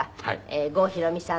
郷ひろみさん